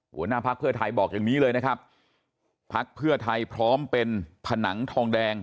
หัวหน้าพักเพื่อไทยบอกอย่างนี้เลยนะครับพักเพื่อไทยพร้อมเป็นผนังทองแดง